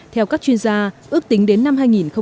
theo các chuyên gia ước tính đến năm hai nghìn hai mươi